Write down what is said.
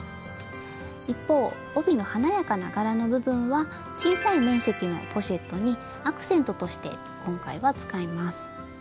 一方帯の華やかな柄の部分は小さい面積のポシェットにアクセントとして今回は使います。